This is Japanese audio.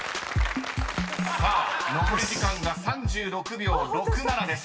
［さあ残り時間が３６秒６７です］